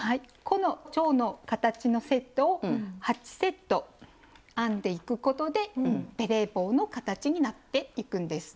このチョウの形のセットを８セット編んでいくことでベレー帽の形になっていくんです。